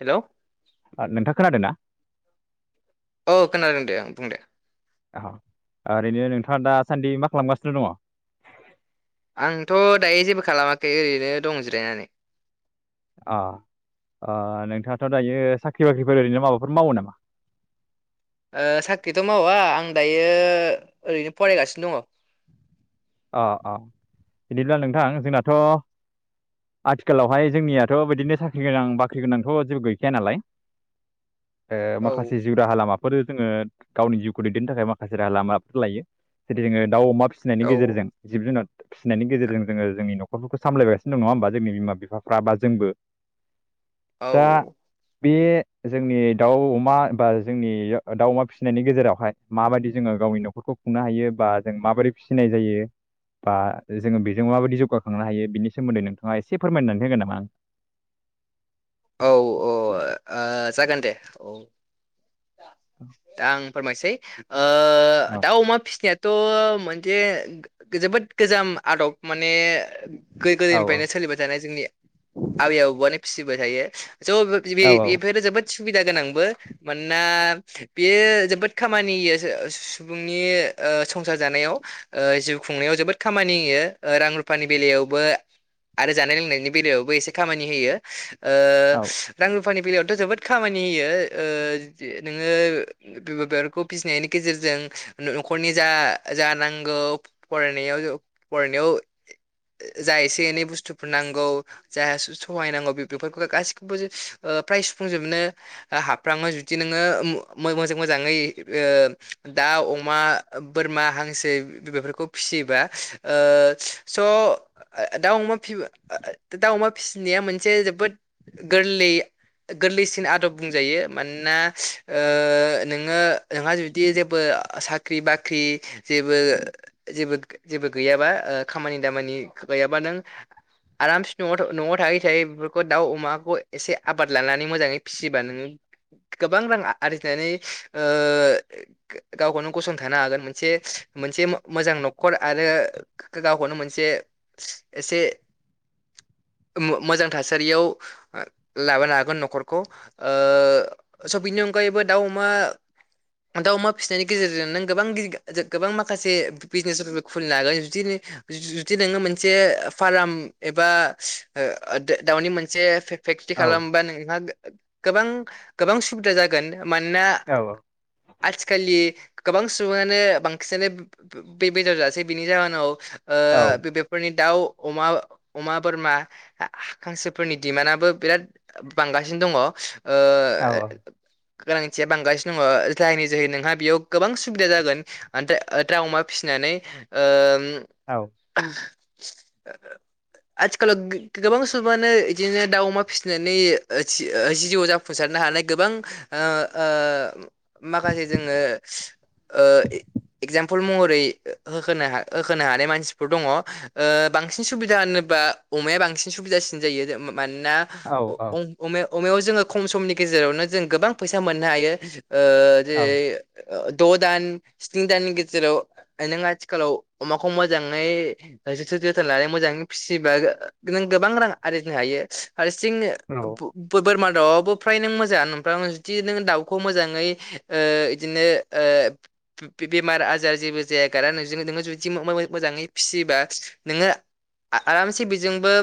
Hello आ नोंथां खोनादों ना? औ खोनादों दे ओं बुं दे ओह' ओरैनो नोंथाङा दासान्दि मा खालामगासिनो दङ? आंथ' दायो जेबो खालामाखै ओरैनो दं जिरायनानै। अ। अ नोंथाङाथ' दायो साख्रि बाख्रिफोर ओरैनो माबाफोर मावो नामा? ओ साख्रिथ' मावा आं दायो ओरैनो फरायगासिनो दङ। अ-अ बिदिब्ला नोंथां जोंनाथ' आथिखालावहाय जोंनियाथ' बिदिनो साख्रि गोनां बाख्रि गोनांथ' जेबो गैखाया नालाय। ओ माखासे जिउ राहा लामा फोरो जोङो गावनि जिउखौ दैदेननो थाखाय माखासे राहा लामाफोर लायो जेरै जोङो दाउ अमा फिसिनायनि औ गेजेरजों जिब जुनार फिसिनायनि गेजेरजों जोङो जोंनि न'खरफोरखौ सामलायगासिनो दं नङा होमबा जोंनि बिमा बिफाफ्रा बा जोंबो [inaudible] औ। दा बे जोंनि दाउ अमा बा जोंनि ओ दाउ अमा फिसिनायनि गेजेरावहाय माबायदि जोङो गावनि न'खरखौ खुंनो हायो बा जों माबोरै फिसिनाय जायो बा जोङो बेजों माबायदि जौगाखांनो हायो बिनि सोमोन्दै नोंथाङा एसे फोरमायनानै होगोन नामा आं [inaudible] औ-औ अ ओ जागोन दे औ दा आं फोरमायसै ओ आं दाउ अमा फिसिनायाथ त' मोनसे जोबोद गोजाम आदब माने औ गै-गोदोनिफ्रायनो सोलिबाय थानाय जोंनि आबै-आबौआनो फिसिबाय थायो। स' बो औ बि-बि-बिफोर जोबोद सुबिदा गोनांबो मानोना बेयो जोबोद खामानि ओ ओ सुबुंनि ओ-ओ संसार जानायाव ओ जिउ खुंनायाव जोबोद खामानियो ओ रां रुफानि बेलेयावबो आरो जानाय लोंनायनि बेलायावबो एसे खामानि होयो । ओ औ सोह रां रुफ फानि बेलायावथ' जोबोद खामानि होयो ओ जो नोङो ओ बि-बिबारखौ फिसिनायनि गेजेरजों जों न'-न'खरनि जा-जा नांगौ फ-फरायनायाव जो फरायनायाव ज-जा एसे एनै बुस्थुफोर नांगौ जा स-सहाय नांगौ बेफ बेफोरखौ गासिखौबो जो ओ फ्राय सुफुंजोबनो ओ हाफ्रामो जुदि नोङो म-मय-मज मोजां मोजाङै दा अमा बोरमा हांसो बेफोरखौ फिसियोबा ओ स' दाउ अमा दाउ अमा फिसिनाया मोनसे गोरलै गोरलैसिन आदब बुंजायो मानोना नोङो ओ नोंहा जुदि जेबो साख्रि बाख्रि जेबोे जेबो गैयाबा खामानि दामानि गैयाबा नों आरामसे न' न'आव थायै थायै दाउ अमाखौ एसे आबाद लानानै मोजाङै फिसियोबा नोङो गोबां रां आरजिनानै ओ गावखौनो गसंथानो हागोन मोनसे मोनसे मोजां न'खर आरो गावखौनो मोनसे एसे [inaudible] मोजां थासारियाव लाबोनो हागोन न'खरखौ ओ स' बिनि अनगायैबो दाउ अमा [unintelligible] दाउ अमा फिसिनायनि गेजेरजों नों गोबां गिदित गोबां माखासे बिजनेसफोरखौ खुलिनो हागोन बिदि जुदि नोङो मोनसे फार्म एबा ओ दाउनि मोनसे फेक्ट्रि औ खालामोबा नोंहा गोबां गोबां सुबिदा जागोन मोनोना औ आजिखालि गोबां सुबुङानो बांसिनानो बे-बे-बेदर जासै बिनि जाहोनाव ओ औ बे बेफोरनि दाउ अमा अमा बोरमा हांसोफोरनि डिमान्डआबो बिराद बांगासिनो दङ। औ औ गोनांथिया बांगासिनो दङ जायनि जोहै नोंहा बेयाव गोबां सुबिदा जागोन दाउ अमा फिसिनानै नोय ओम [unintelligible] आथिखालाव गोबां सुबुंङानो बिदिनो दाउ अमा फिसिनानै जिउआव जाफुंसारनो हानाय गोबां ओ ओ माखासे जोङो एगजामपोल महरै होखो होखो हानाय मानसिफोर दङ बांसिन सुबिदानो सोरबा अमाया बांसिन सुबिदासिन जायो मानोना औ अमाया अमायाव जोङो खम समनि गेजेरावनो जों गोबां फैसा मोननो हायो जेरै द' दान स्नि दाननि गेजेराव नों आथिखालाव अमाखौ मोजाङै जोथोन लानानै मोजाङै फिसिबा नों गोबां रां आरजिनो हायो हारसिं औ बोरमा दाउआबो फ्राय नों मोजां जुदि नों दाउखौ मोजाङै बिदिनो बे-बेमार आजार जेबो जाया गारा नोंजों नोङो जुदि मो -मोजाङै फिसियोबा नोङो आ-आरामसे जोंबो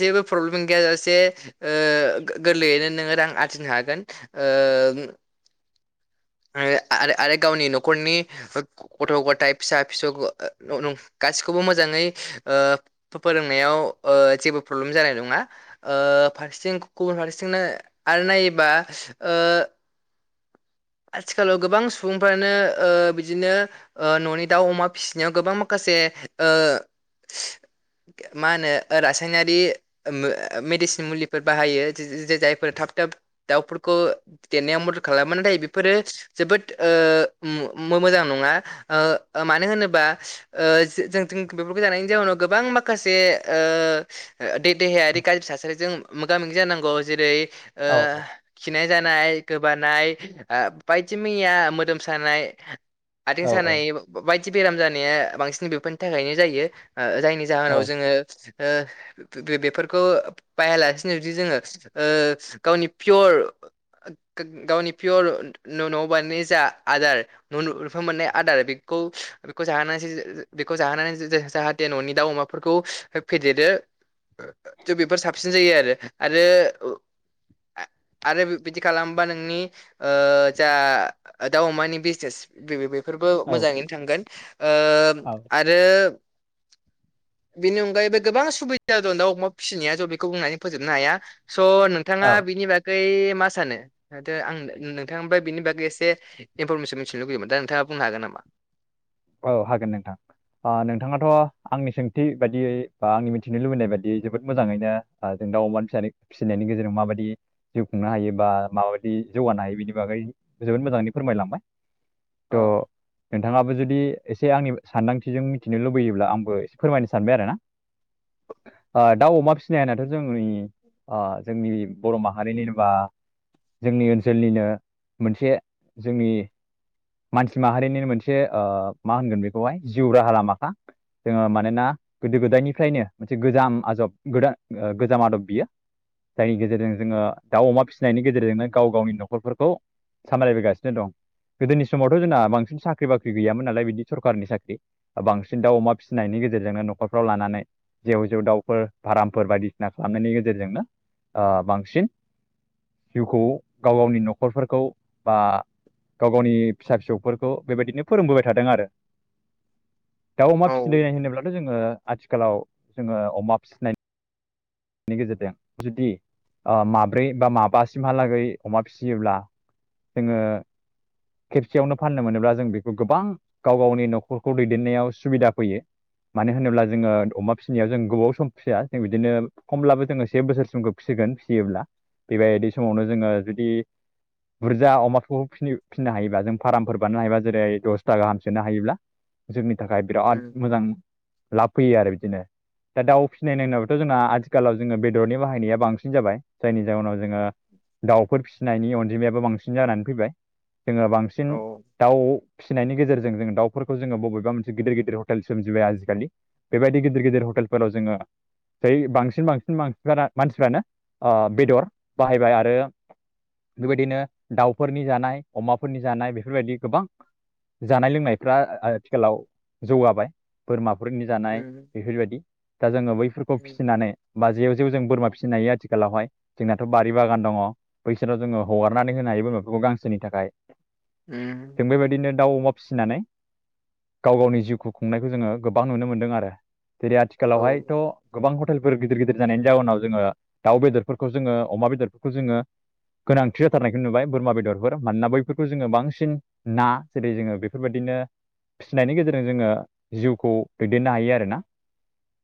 जेबो प्रब्लेम गैयाजासे ओ गोरलैयैनो नोङो रां आरजिनो हागोन ओ आरो आ-आरो गावनि न'खरनि गथ' गथाइ फिसा फिसौ [unintelligible] गासिखौबो मोजाङै ओ फोरोंनायाव ओ जेबो प्रब्लेम जानाय नङा ओ फारसेथिं गुबुन फारसेथिं आरो नायोबा ओ आथिखालाव गोबां सुबुंफ्रानो ओ बिदिनो न'नि दाउ अमा फिसिनायाव गोबां माखासे से ओ [inaudible] मा होनो रासायनारि ओ मेडिसिन मुलिफोर बाहायो जे-जायफोर थाब थाब दाउफोरखौ देनायाव मदद खालामो नाथाय बेफोरो जोबोद ओ मो-मोजां नङा मानो होनोबा ओ जों बेफोरखौ जानायनि जाउनाव गोबां माखासे ओ देहायारि गाज्रि थासारिजों मोगा मोगि जानांगौ जेरै ओ औ खिनाय जानाय गोबानाय ओ बायदि मैया मोदोम सानाय आथिं सानाय औ बायदि बेराम जानाया बांसिन बेफोरनि थाखायनो जायो जायनि जाहोनाव जोङो ओ बे बेफोरखौ बाहायालासिनो जुदि जोङो ओ गावनि पियर गग-गा-गावनि पियर न'आव बानायनाय जा आदारुफां मोननाय आदार बेखौ बेखौ जाहो बेखौ जाहोनानै जाहाथे न'नि दाउ अमाफोरखौ फेदेरो थ' बेफोर साबसिन जायो आरो आरो आरो बिदि खालामबा नोंनि ओ जा दाउ अमानि बिजनेस बे बेफोरबो मोजाङैनो थांगोन ओ औ औ आरो [inaudible] बेनि अनगायैबो गोबां सुबिदा दं दाउ अमा फिसिनाया ज' बेखौ बुंनानै फोजोबनो हाया स' नोंथाङा औ बिनि बागै मा सानो माथो आंनो नोंथांनिमफ्राय बिनि बागै एसे इनफरमेसन मिथिनो लुगैयमोन दा नोंथाङा बुंनो हागोन नामा? औ हागोन नोंथां । ओ नोंथाङाथ' आंनि सोंथि बायदियै बा आंनि मिथिनो लुबैनाय बायदियै जोबोद मोजाङैनो दाउ अमानि फि फिसिनायनि गेजेरजों माबाद जिउ खुंनो हायो बा माबायदि जौगानो हायो बिनि बागै जोबोद मोजाङौ फोरमायलांबाय अ थ' नोंथाङाबो जुदि एसे आंनि सानदांथिजों मिथिनो लुबैयोब्ला आंबो एसे फोरमायनो सानबाय आरो ना । ओ दाउ अमा फिसिनाय होननाथ' जोंनि ओ जोंनि बर' माहारिनि जेनेबा जोंनि ओनसोलनिनो मोनसे जोंनि मानसि माहारिनि मोनसे ओ मा होनगोन बेखौहाय जिउ राहा लामाखा । जोङो मानोना गोदो गोदायनिफ्रायनो मोनसे गोजाम आजब गोद ओ गोजाम आदब बियो जायनि गेजेरजों जोङो दाउ अमा फिसिनायनि गेजेरजोंनो गाव गावनि न'खरफोरखौ सामलायबोगासिनो दं गोदोनि समावथ' जोंना बांसिन साख्रि बाख्रि साख्रि गैयामोन नालाय बिदि सरखारनि साख्रि बांसिन दाउ अमा फिसिनायनि गेजेरजोंनो न'खरफ्राव लानानै जे गोजौ दाउफोर फारामफोर बायदिसिना खालामनायनि गेजेरजोंनो ओ बांसिन जिउखौ गाव गावनि न'खरफोरखौ बा गाव गावनि फिसा फिसौफोरखौ बेबायदिनो फोरोंबोबाय थादों आरो दाउ अमा फिसिनाय औ होनोब्लाथ' जोङो आथिखालाव जोङो अमा फिसिनाय बेनि गेजेरजों जुदि ओ माब्रै बा माबासिमहालागै अमा फिसियोब्ला जोङो खेबसेयावनो फाननो मोनोब्ला जों बेखौ गोबां गाव गावनि न'खरखौ दैदेननायाव सुबिदा फैयो । मानो होनोब्ला जोङो अमा फिसिनायाव जों गोबाव सम फिसिया जों बिदिनो खमब्लाबो जोङो से बोसोरसिमखौ फिसिगोन फिसियोब्ला बेबायदि समावनो जोङो जुदि बुरजा अमाफोरखौ फिननो हायोबा जों फार्मफोर बाननो हायोबा जेरै दसथा गाहामसोनो हायोब्ला जोंनि नि थाखाय बिराद उम मोजां लाब फैयो आरो बिदिनो दा दाउ फिसिनाय नायनाबाथ' जोंना आ आथिखालाव जोङो बेदरनि बाहायनाया बांसिन जाबाय जायनि जाउनाव जोङो दाउफोर फिसि फिसिनायनि अनजिमायाबो बांसिन जानानै फैबाय जोङो बांसिन औ दाउ फिनायनि गेजेरजों जो दाफोरखौ बबेबा मोनसेदिर गदिर हटेल सोमजिबाय आजिखालि बेबायदि गिदिर गदिर हटेल फोराव जोङो बांसिन बांसिन बांसिनफ मानसिफ्रानो ओ बेदर बाहायबाय आरो बेबायदिनो दाउफोरनि जानाय अमाफोरनि जानाय बेफोरबायदि गोबां जानाय लोंनायफ्रा आथिखालाव जौगाबाय बोरमा [unintelligible] जानाय उम बेफोरबायदि दा जोङो बैफोरखौ उम फिसिनानै बाजेयाव जेव जेव जों बोरमा फिसिनो हायो आथिखालावहाय जोंनाथ' बारि बागान दङ बैसोराव जोङो हगारनानै होनो हायो हायोमाफोरखौ गांसोनि थाखाय उ [unintelligible] जों बेबायदिनो दाउ अमा फिसिनानै गाव गावनि जिउखौ खुंनायखौ जोङो गोबां नुनो मोनदों आरो । दिनै औ आथिखालावहायथ' गोबां हत गिदिर गिदिर जानायनि जाउनाव जोङो दाउ बेदरफोरखौ जोङो अमा बेदरफोरखौ जोङो गोनांथि जाथारनायखौ नुबाय बोरमा बेदरफोर मानोना बैफोरखौ जोङो बांसिन ना जेरै जोङो बेफोरबायदि नो फिसिनायनि गेजेरजों जोङो जिउखौ दैदेननो हायो आरोना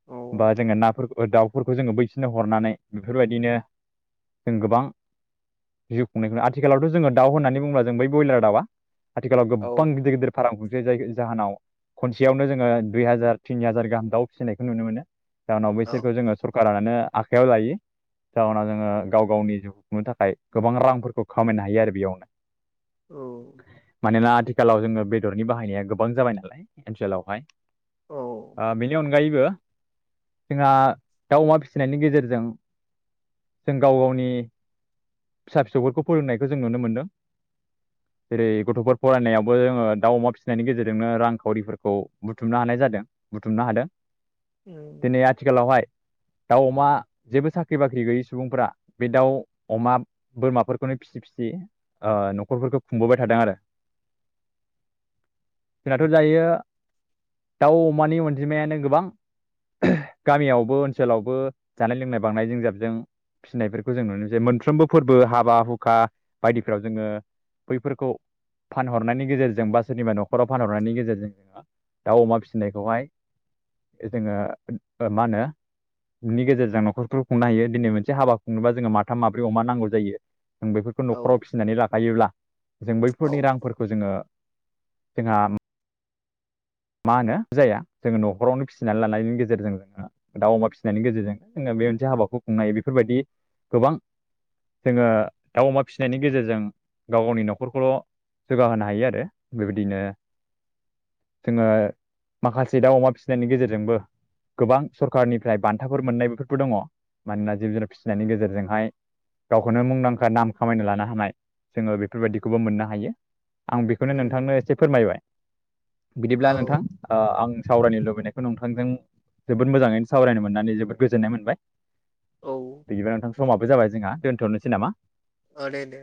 औ बा जोङो नाफोरखौ दाउफोरखौ जोङो बैसिनो हरनानै बेफोरबायदिनो जों गोबां जिउ खुंनायखौ आथिखालावथ' जोङो दाउ होननानै बुंब्ला जों बै ब्रयलार दाउआ आथिखालाव औ गोबां गदिर गदिर फाराम खु जाय जाहोनाव खनसेयावनो जोङो दुइ हाजार तिन हाजार गाहाम दाउ फिसिनायखौ नुनो मोनो जाहोनाव औ बिसोरखौ जोङो सरकारानो आखाइआव लायो जाहनाव जोङो गाव गावनि जिउखौ खुंनो थाखाय गोबां रांफोरखौ खामायनो हायो आरो बेयावनो औ। लाव जोङो बेदरनि बाहायनाया गोबां जाबाय नालाय ओनसोलावहाय औ ओ बेनि अनगायैबो जोंहा दाउ अमा फिसिनायनि गेजेरजों जों गाव गावनि फिसा फिसौफोरखौ फोरोंनायखौ जों नुनो मोनदों। [unintelligible] जेरै गथ'फोर फरायनायावबो जोङो दाउ अमा फिसिनायनि गेजेरजोंनो रांखावरिफोरखौ बुथुमनो हानाय जादों। बुथुमनो हादों। उम। लावहाय दाउ अमा जेबो साख्रि बाख्रि गैयि सुबुंफोरा बे दाउ अमा बोरमाफोरखौनो फिसि फिसि ओ न'खरफोरखौ खुंबोबाय थादों आरो जोंनाथ' जायो। दाउ अमानि अनजिमायानो गोबां गामियावबो ओनसोलावबो जानाय लोंनाय बांनाय जों जाबजों फिसिनायफोरखौ जों नुनो जे मोनफ्रोमबो फोरबो हाबा हुखा बायदिफ्राव जोङो। बैफोरखौ फानहरनायनि गेजेरजों बा सोरनिबा न'खराव फानहरनायनि गेजेरजों आ दाव अमा फिसिनायखौहाय जोङो मा होनो नि गेजेरजों न'खरफोरखौ खुंनो हायो दिनै मोनसे हाबा खुंनोबा जोङो माथाम माब्रै अमा नांगौ जायो। जों बैफोरखौ औ न'खराव फिसिनानै लाखायोब्ला जों औ बैफोरनि रांफोरखौ जोङो जोंहा मा होनो जाया जोङो न'खरावनो फिसिनानै लानायनि गेजेरजों जोंहा दाउ अमा फिसिनायनि गेजेरजोंनो जोङो। बे मोनसे हाबाखौ खुंनो हायो बेफोरबायदि गोबां जोङो दाउ अमा फिसिनायनि गेजेरजों गाव गावनि न'खरखौल' जौगाहोनो हायो आरो बेबायदिनो जोङो माखासे दाउ अमा फिसिनायनि गेजेरजोंबो गोबां सरखारनिफ्राय बान्थाफोर मोननाय बेफोरबो दङ मानोना जिब जुनार फिसिनायनि गेजेरजोंहाय गावखौनो मुंदांखा नाम खामायनो लानो हानाय जोङो बेफोरबायदिखौबो मोननो हायो। आं बेखौनो नोंथांनो उम एसे फोरमायबाय बिदिब्ला औ नोंथां ओ आं सावरायनो लुबैनायखौ नोंथांजों जोबोद मोजाङैनो सावरायनो मोननानै जोबोद गोजोननाय मोनबाय औ आ बिदिबा नोंथां समाबो जाबाय जोंहा दोनथ'नोसै नामा? ओ दे दे